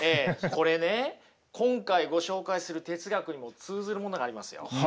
これね今回ご紹介する哲学にも通ずるものがありますよ。